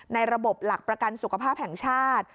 ในระบบหลักประกันสุขภาพแห่งชาติ